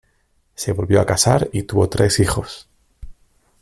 Se volvió a casar y tuvo tres hijos.